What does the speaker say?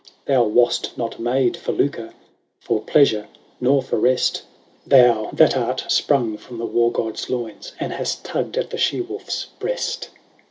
m Thou wast not made for lucre, For pleasure, nor for rest ; Thou, that art sprung from the War god's loins, And hast tugged at the she wolf's breast.